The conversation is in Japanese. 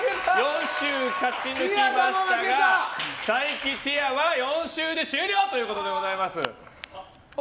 ４週勝ち抜きましたが佐伯ティアは４週で終了ということになります。